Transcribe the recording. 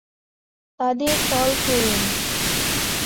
তাদের কল করুন।